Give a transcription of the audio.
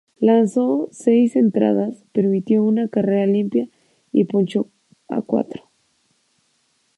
Lanzó seis entradas, permitió una carrera limpia y ponchó a cuatro.